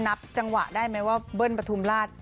นับจังหวะได้ไหมว่าเบิ้ลปฐุมราช